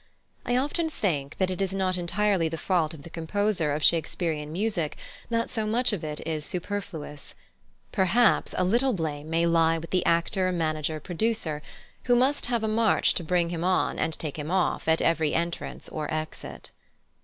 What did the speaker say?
I often think that it is not entirely the fault of the composer of Shakespearian music that so much of it is superfluous; perhaps a little blame may lie with the actor manager producer, who must have a march to bring him on and take him off at every entrance or exit.